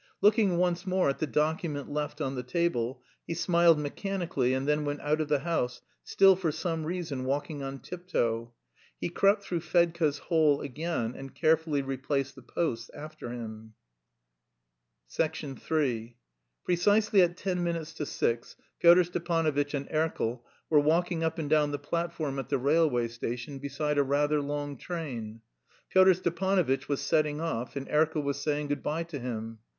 Looking once more at the document left on the table, he smiled mechanically and then went out of the house, still for some reason walking on tiptoe. He crept through Fedka's hole again and carefully replaced the posts after him. III Precisely at ten minutes to six Pyotr Stepanovitch and Erkel were walking up and down the platform at the railway station beside a rather long train. Pyotr Stepanovitch was setting off and Erkel was saying good bye to him.